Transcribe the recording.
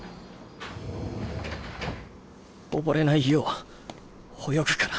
溺れないよう泳ぐから。